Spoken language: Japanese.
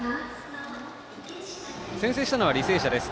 先制したのは履正社です。